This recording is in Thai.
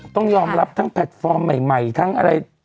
ต้องยอมรับทั้งแพลตฟอร์มใหม่ทั้งอะไร